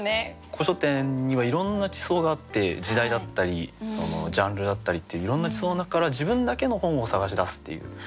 古書店にはいろんな地層があって時代だったりジャンルだったりっていういろんな地層の中から自分だけの本を探し出すっていう。